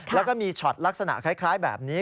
แล้วก็มีช็อตลักษณะคล้ายแบบนี้